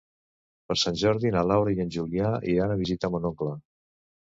Per Sant Jordi na Laura i en Julià iran a visitar mon oncle.